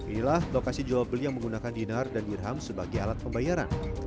inilah lokasi jual beli yang menggunakan dinar dan dirham sebagai alat pembayaran